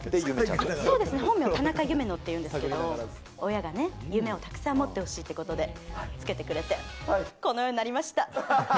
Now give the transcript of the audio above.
ゆめ田中夢乃っていうんですけど、親がね、夢をたくさん持ってほしいということで付けてくれて、このようになりました。